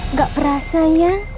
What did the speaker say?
nggak berasa ya